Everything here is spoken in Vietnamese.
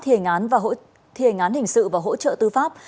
thì hình án hình sự và hỗ trợ tư pháp